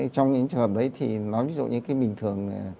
trong những trường hợp đấy thì nói ví dụ như cái bình thường